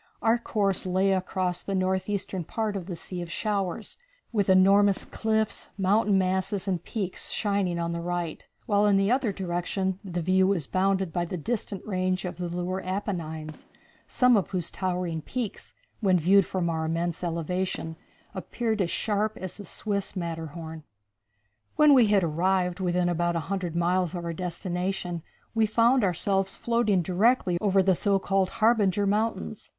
Our course lay across the north eastern part of the Sea of Showers, with enormous cliffs, mountain masses and peaks shining on the right, while in the other direction the view was bounded by the distant range of the lunar Apennines, some of whose towering peaks, when viewed from our immense elevation, appeared as sharp as the Swiss Matterhorn. When we had arrived within about a hundred miles of our destination we found ourselves floating directly over the so called Harbinger Mountains.